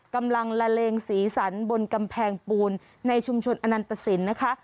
กำลังละเลงสีสันบนกำแพงปูนในชุมชนอนันตสินนะคะ